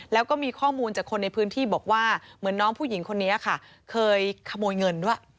แล้วก็มีข้อมูลจากคนในพื้นที่บอกว่าเหมือนน้องผู้หญิงคนนี้ค่ะเคยขโมยเงินด้วย